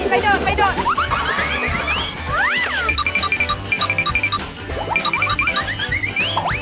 เฮ่ยไปโดด